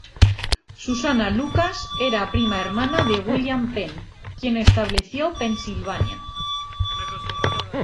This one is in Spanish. Susannah Lucas era prima hermana de William Penn, quien estableció Pensilvania.